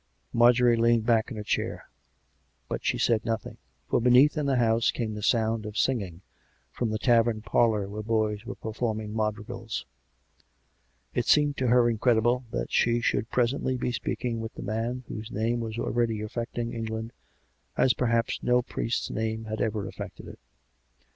Marjorie leaned back in her chair; but she said nothing. From beneath in the house came the sound of singing, from the tavern parlour where boys were performing madrigals. It seemed to her incredible that she should presently be speaking with the man, whose name was already affecting England as perhaps* no priest's name had ever affected it.